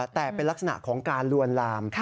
แต่เป็นลักษณะของการลวนลาม